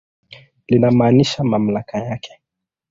Linamaanisha mamlaka yake.